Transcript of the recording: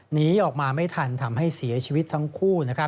หนีออกมาไม่ทันทำให้เสียชีวิตทั้งคู่